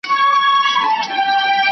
¬ د غله ځاى په غره کي نه پيدا کېږي.